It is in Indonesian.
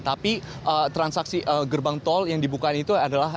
tapi transaksi gerbang tol yang dibuka itu adalah